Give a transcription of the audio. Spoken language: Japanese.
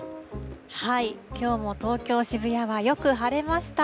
きょうも東京・渋谷はよく晴れました。